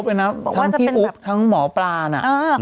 บอกว่าจะเป็นแบบทั้งพี่อุ๊บทั้งหมอปลาน่ะ